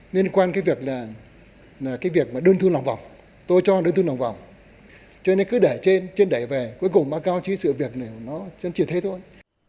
liên quan cái việc là cái việc mà đơn thư lòng vọng tôi cho đơn thư lòng vọng cho nên cứ đẩy trên trên đẩy về cuối cùng báo cáo chỉ sự việc này nó chỉ thế thôi